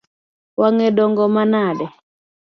Wang’e dongo manade?